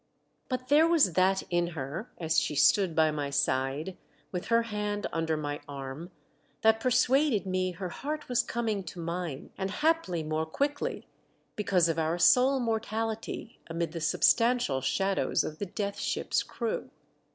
But there was that in her, as she stood by my side, with her hand under my arm, that persuaded me her heart was coming to mine, and haply more quickly because of our sole mortality amid the substantial shadows of the Death Ship's crew.